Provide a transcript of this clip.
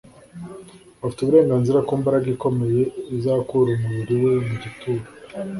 afite uburenganzira ku mbaraga ikomeye izakura umubiri we mu gituro.